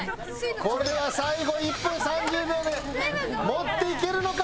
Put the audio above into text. これは最後１分３０秒で持っていけるのか？